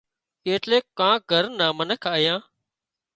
ايٽليڪ ڪانڪ گھر نان منک آيان